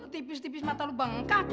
tepis tepis mata lu bengkak